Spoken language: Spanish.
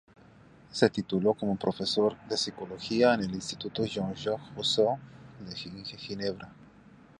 Se tituló como profesor de Psicología en el "Instituto Jean-Jacques Rousseau" de Ginebra.